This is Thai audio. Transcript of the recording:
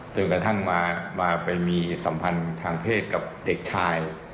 จนกระทั่งมาไปมีสัมพันธ์ทางเพศกับเด็กชาย